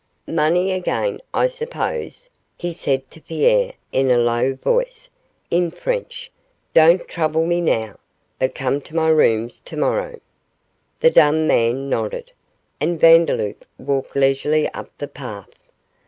'Money again, I suppose?' he said to Pierre, in a low voice, in French; 'don't trouble me now, but come to my rooms to morrow.' The dumb man nodded, and Vandeloup walked leisurely up the path.